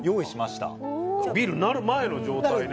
ビールになる前の状態ね。